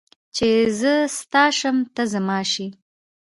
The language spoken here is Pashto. چې زه ستا شم ته زما شې